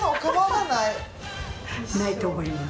ないと思います。